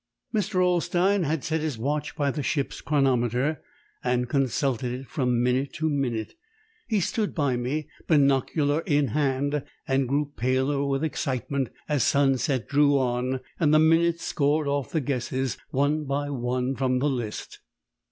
Mr. Olstein had set his watch by the ship's chronometer, and consulted it from minute to minute. He stood by me, binocular in hand, and grew paler with excitement as sunset drew on and the minutes scored off the guesses one by one from the list.